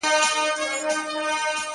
o ځوان ولاړ سو.